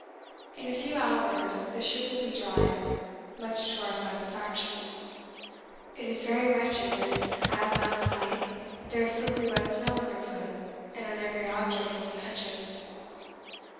In a few hours the ship will be dry much to our satisfaction; it is very wretched when, as last night, there is slippery wet snow underfoot and on every object one touches.